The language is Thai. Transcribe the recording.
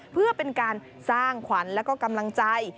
เพื่อเป็นการสร้างขวัญแล้วก็กำลังใจ